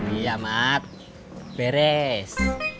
iya mat beres